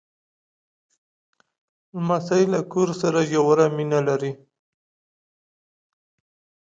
لمسی له کور سره ژوره مینه لري.